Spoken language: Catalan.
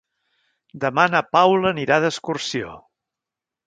Demà na Paula anirà d'excursió.